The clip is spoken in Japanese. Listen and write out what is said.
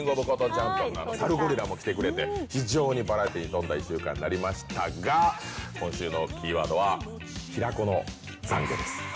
チャンピオンの、サルゴリラも来てくれて非常にバラエティーに富んだ１週間になりましたが今週のキーワードは、平子のざんげです。